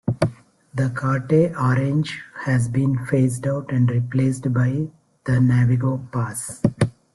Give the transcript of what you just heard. The Carte orange has been phased out and replaced by the Navigo pass.